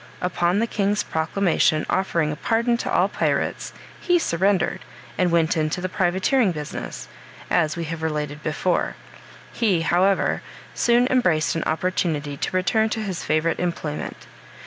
Upon the king's proclamation offering a pardon to all pirates, he surrendered, and went into the privateering business, as we have related before: he, however, soon embraced an opportunity to return to his favorite employment.